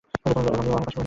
বলিয়া আবার পাশ ফিরিয়া শুইল।